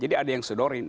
jadi ada yang sodorin